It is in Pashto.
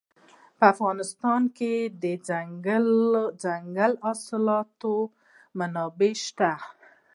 په افغانستان کې د دځنګل حاصلات منابع شته.